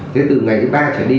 thế từ ngày thứ ba trở đi